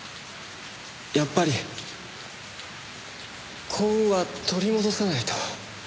やっぱり幸運は取り戻さないと。